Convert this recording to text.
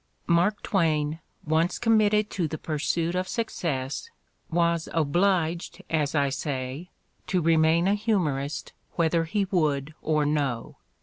Mark Twain, once committed to the pursuit of suc cess, was obliged, as I say, to remain a humorist whether he would or no.